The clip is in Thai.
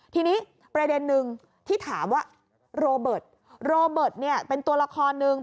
ทีนี้ประเด็นนึงที่ถามว่าโรเบิร์ตโรเบิร์ตเนี่ยเป็นตัวละครหนึ่ง